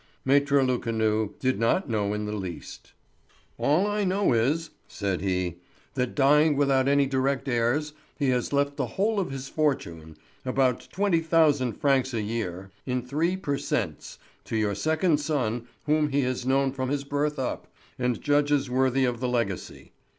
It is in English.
Maître Lecanu did not know in the least. "All I know is," said he, "that dying without any direct heirs, he has left the whole of his fortune—about twenty thousand francs a year ($3,840) in three per cents—to your second son, whom he has known from his birth up, and judges worthy of the legacy.